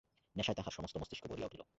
নেশায় তাহার সমস্ত মস্তিস্ক ভরিয়া উঠিল।